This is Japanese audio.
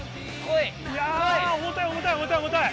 いやー、重たい、重たい、重たい。